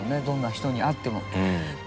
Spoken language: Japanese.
どんな人に会っても。